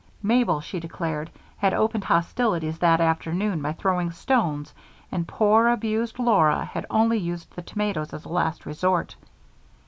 Mabel, she declared, had opened hostilities that afternoon by throwing stones, and poor, abused Laura had only used the tomatoes as a last resort.